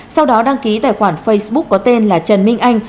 sau đó đăng ký tài khoản facebook có tên là trần minh anh